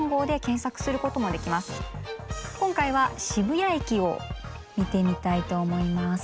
今回は渋谷駅を見てみたいと思います。